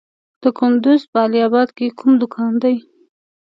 د کندز په علي اباد کې کوم کان دی؟